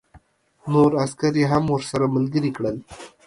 نور عسکر یې هم ورسره ملګري کړل